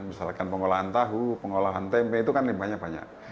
misalkan pengolahan tahu pengolahan tempe itu kan limbahnya banyak